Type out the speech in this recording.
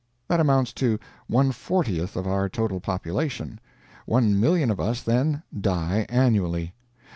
That amounts to one fortieth of our total population. One million of us, then, die annually.